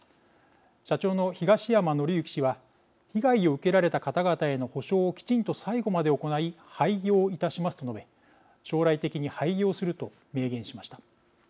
社長の東山紀之氏は被害を受けられた方々への補償をきちんと最後まで行い廃業いたしますと述べ将来的に廃業すると明言しました。